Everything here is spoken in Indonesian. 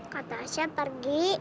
kak tasya pergi